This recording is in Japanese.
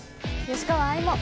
吉川愛も。